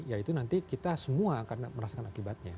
ya itu nanti kita semua akan merasakan akibatnya